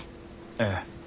ええ。